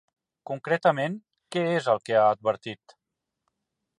Concretament, què és el que ha advertit?